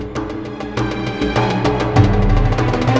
bapak kamu pasti ketemu